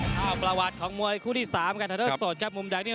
ครับประวัติของมวยคู่ที่สามกระทะเดิร์สสดครับมุมแดงนี่